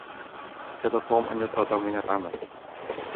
كاد توم أن يُطرد من العمل.